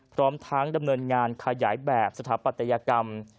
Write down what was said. พร้อมทั้งดำเนินงานขยายแบบสถาปัตยกรรม